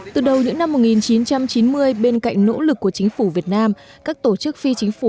từ đầu những năm một nghìn chín trăm chín mươi bên cạnh nỗ lực của chính phủ việt nam các tổ chức phi chính phủ